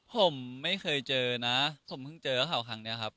ผมไม่เคยเจอนะผมเพิ่งเจอกับเขาครั้งนี้ครับ